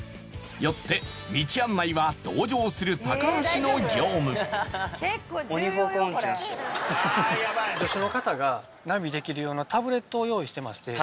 よって同乗する助手の方がナビできるようなタブレットを用意してまして。